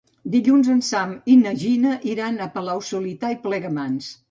Dilluns en Sam i na Gina iran a Palau-solità i Plegamans.